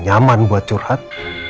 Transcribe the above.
nyaman buat curhat